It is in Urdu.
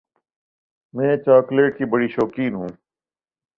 میں چاکلیٹ کی بڑی شوقین ہوں۔